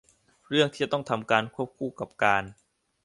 เรื่องที่จะต้องทำควบคู่กับการ